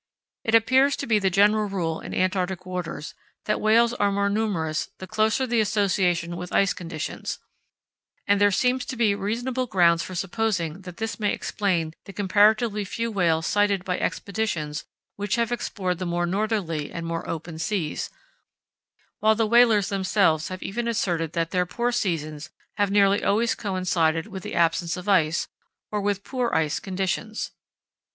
It appears to be the general rule in Antarctic waters that whales are more numerous the closer the association with ice conditions, and there seems to be reasonable grounds for supposing that this may explain the comparatively few whales sighted by Expeditions which have explored the more northerly and more open seas, while the whalers themselves have even asserted that their poor seasons have nearly always coincided with the absence of ice, or with poor ice conditions.